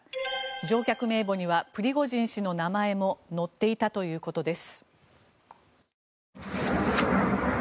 乗客名簿にはプリゴジン氏の名前も載っていたということです。